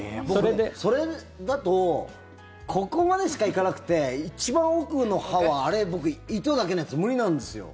それだとここまでしか行かなくて一番奥の歯は糸のやつだけで無理なんですよ。